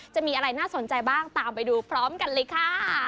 จะมีอะไรน่าสนใจบ้างตามไปดูพร้อมกันเลยค่ะ